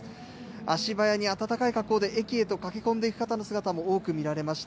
足早に暖かい格好で駅へと駆け込んでいく方の姿も多く見られました。